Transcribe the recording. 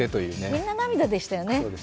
みんな涙でしたよね。